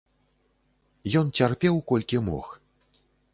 Ён цярпеў, колькі мог.